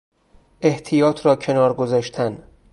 احتیاط را کنار گذاشتن